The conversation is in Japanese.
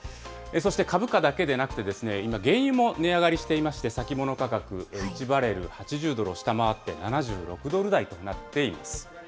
そして、株価だけでなくて今、原油も値上がりしていまして、先物価格、１バレル８０ドルを下回って、７６ドル台となっています。